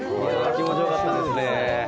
気持ちよかったですね。